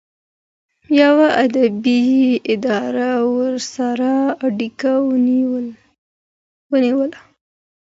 یوه ادبي اداره ورسره اړیکه ونیوله.